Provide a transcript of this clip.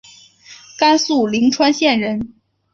甘肃灵川县人。